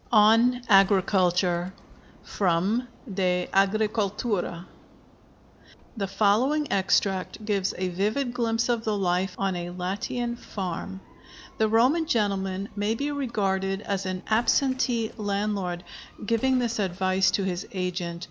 ON AGRICULTURE From 'De Agricultura.' [The following extract gives a vivid glimpse of the life on a Latian farm. The Roman gentleman may be regarded as an "absentee landlord," giving this advice to his agent.